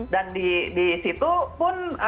dan di situ pun